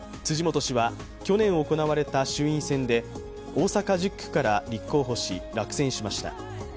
辻元氏は去年行われた衆院選で、大阪１０区から立候補し落選しました。